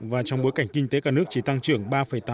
và trong bối cảnh kinh tế cả nước chỉ tăng trưởng ba tám mươi hai